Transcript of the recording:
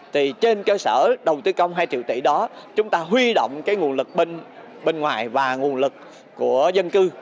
thì trên cơ sở đầu tư công hai triệu tỷ đó chúng ta huy động cái nguồn lực bên ngoài và nguồn lực của dân cư